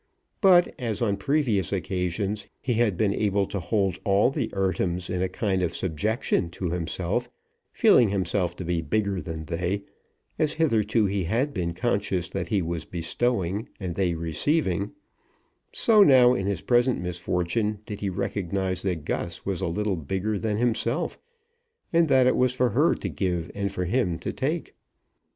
But, as on previous occasions, he had been able to hold all the Eardhams in a kind of subjection to himself, feeling himself to be bigger than they, as hitherto he had been conscious that he was bestowing and they receiving, so now, in his present misfortune, did he recognise that Gus was a little bigger than himself, and that it was for her to give and for him to take.